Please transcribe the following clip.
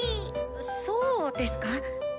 そうですか？